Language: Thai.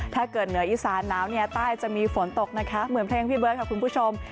ถ้าเกิดเหนืออิสานน้ำใต้จะมีฝนตกนะคะเหมือนเพลงพี่เบิร์กค่ะคุณผู้ชม